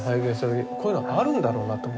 こういうのがあるんだろうなと思って。